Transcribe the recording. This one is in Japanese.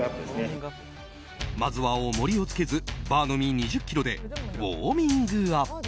まずは重りをつけずバーのみ２０ｋｇでウォーミングアップ。